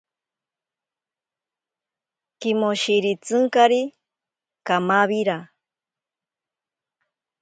Kimoshiritsinkari kamawira.